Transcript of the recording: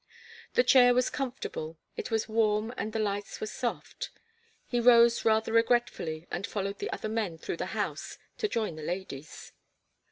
The chair was comfortable, it was warm and the lights were soft. He rose rather regretfully and followed the other men through the house to join the ladies.